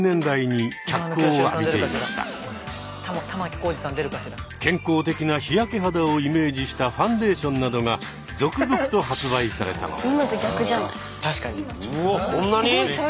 一方健康的な日焼け肌をイメージしたファンデーションなどが続々と発売されたのです。